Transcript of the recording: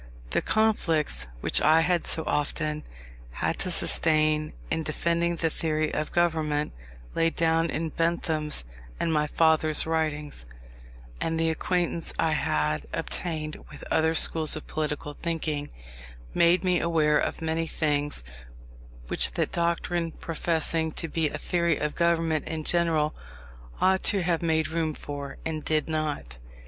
The conflicts which I had so often had to sustain in defending the theory of government laid down in Bentham's and my father's writings, and the acquaintance I had obtained with other schools of political thinking, made me aware of many things which that doctrine, professing to be a theory of government in general, ought to have made room for, and did not.